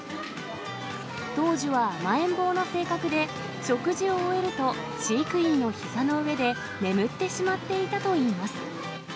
当時は甘えん坊の性格で、食事を終えると、飼育員のひざの上で眠ってしまっていたといいます。